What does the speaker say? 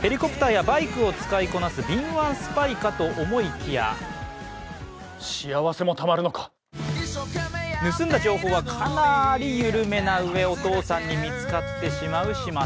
ヘリコプターやバイクを使いこなす敏腕スパイかと思いきや盗んだ情報はかなりゆるめなうえ、お父さんに見つかってしまう始末。